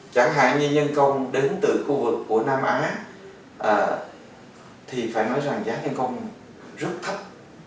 chẳng hạn như nhân công đến từ khu vực của nam á thì phải nói rằng giá nhân công rất thấp